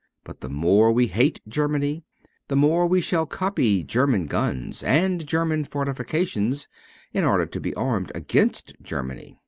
But the more we hate Germany the more we shall copy German guns and German fortifications in order to be armed against Germany.